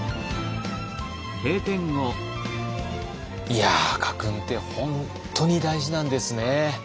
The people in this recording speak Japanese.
いや家訓って本当に大事なんですね。